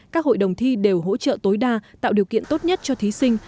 các hội đồng thi đều hỗ trợ tối đa tạo điều kiện tốt nhất cho thí sinh